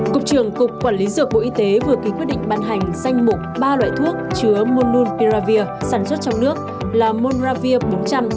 cục trưởng cục quản lý dược bộ y tế vừa ký quyết định ban hành danh mục ba loại thuốc chứa monun peravir sản xuất trong nước là monravir bốn trăm linh